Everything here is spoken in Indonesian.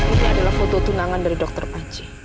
ini adalah foto tunangan dari dokter panji